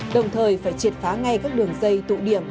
đồng thời phải triệt phá ngay các đường dây tụ điểm